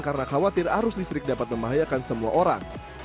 karena khawatir arus listrik dapat membahayakan semua orang